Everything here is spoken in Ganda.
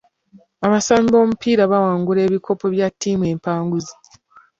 Abasambi b'omupiira baawangula ebikopo bya ttiimu empanguzi.